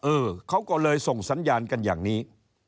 เออเขาก็เลยส่งสัญญาณกันอย่างนี้